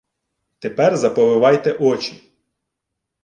— Тепер заповивайте очі.